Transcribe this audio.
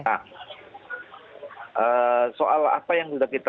nah soal apa yang sudah kita